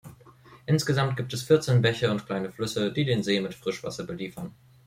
Insgesamt gibt es vierzehn Bäche und kleine Flüsse, die den See mit Frischwasser beliefern.